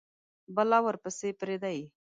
بلا ورپسي پریده یﺉ